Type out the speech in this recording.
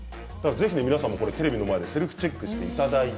ぜひ皆さんもテレビの前でセルフチェックしていただいて。